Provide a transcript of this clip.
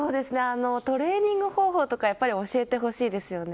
トレーニング方法とか教えてほしいですよね。